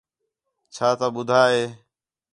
چَھا تُو بدھا ہے